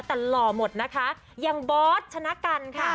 แต่หล่อหมดนะคะอย่างบอสชนะกันค่ะ